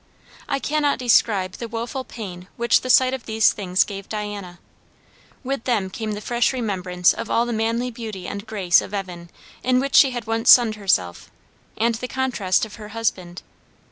I cannot describe the woful pain which the sight of these things gave Diana. With them came the fresh remembrance of all the manly beauty and grace of Evan in which she had once sunned herself, and the contrast of her husband.